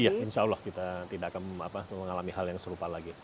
ya insya allah kita tidak akan mengalami hal yang serupa lagi